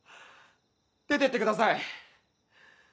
出てってください。